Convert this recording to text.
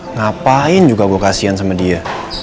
ngapain juga gue kasihan sama dia